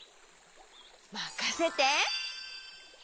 まかせて！